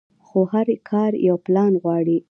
خو هر کار يو پلان غواړي.